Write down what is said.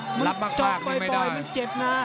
มึงจกปล่อยมึงเจ็บนะ